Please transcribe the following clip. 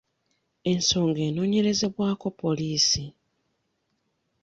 Ensonga enoonyerezebwako poliisi.